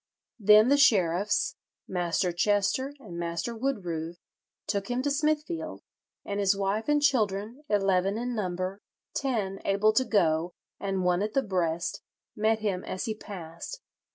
"Then the sheriffs, Master Chester and Master Woodroove, took him to Smithfield; and his wife and children, eleven in number, ten able to go, and one at the breast, met him as he passed.